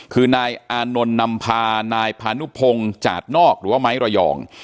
คือนายอานนท์นำพานายพานุพงศ์จาดนอกหรือว่าไม้ระยอง